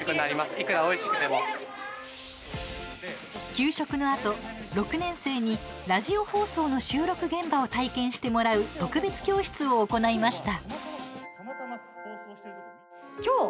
給食のあと６年生にラジオ放送の収録現場を体験してもらう特別教室を行いました。